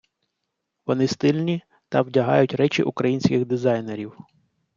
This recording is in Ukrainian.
Вони стильні та вдягають речі українських дизайнерів.